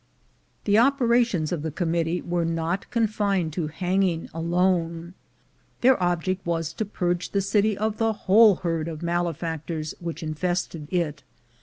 222 THE GOLD HUNTERS The operations of the Committee were not confined to hanging alone; their object was to purge the city of the whole herd of malefactors which infested it.